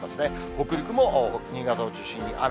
北陸も新潟を中心に雨。